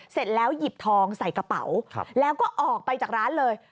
เสร็จแล้วหยิบทองใส่กระเป๋าแล้วก็ออกไปจากร้านเลย